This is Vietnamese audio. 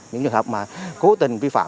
những trường hợp mà cố tình vi phạm